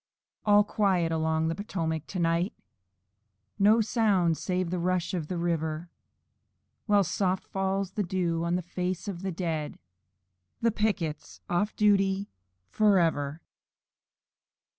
"All quiet along the Potomac to night!" No sound save the rush of the river; While soft falls the dew on the face of the dead, And the picket's off duty forever!